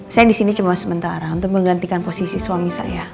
saya disini cuma sementara untuk menggantikan posisi suami saya